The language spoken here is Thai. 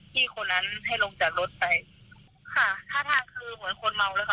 คนนั้นให้ลงจากรถไปค่ะท่าทางคือเหมือนคนเมาเลยค่ะ